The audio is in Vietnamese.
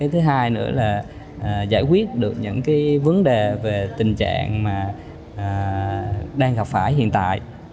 thứ hai nữa là giải quyết được những vấn đề về tình trạng đang gặp phải hiện tại